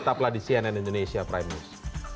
tetaplah di cnn indonesia prime news